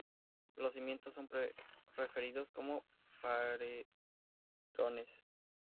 Los cimientos son referidos como Paredones.